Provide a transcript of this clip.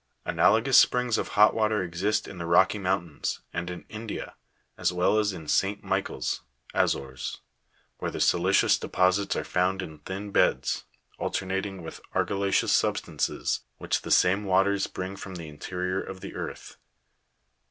Analogous springs of hot water exist in the Rocky mountains, and in India, as well as in Saint Michael's (Azores), where the sili'cious deposits are found in thin beds, alter nating with argilla'ceous substances which the same waters bring from the interior of the earth.